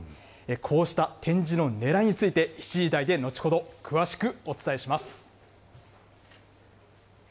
こうした展示のねらいについて、７時台で後程、詳しくお伝えします。